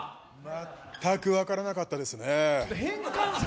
全く分からなかったですね。